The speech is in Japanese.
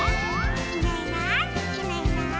「いないいないいないいない」